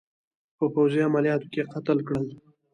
په پوځي عملیاتو کې قتل کړل.